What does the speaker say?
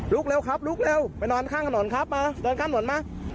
เร็วครับลุกเร็วไปนอนข้างถนนครับมาเดินข้ามถนนมา